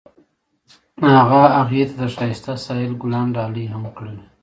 هغه هغې ته د ښایسته ساحل ګلان ډالۍ هم کړل.